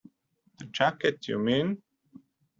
The jacket, you mean?